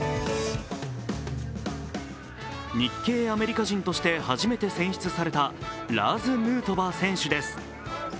日系アメリカ人として初めて選出されたラーズ・ヌートバー選手です。